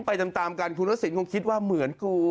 ไปตามกันคุณศักดิ์สินคงคิดว่าเหมือนกู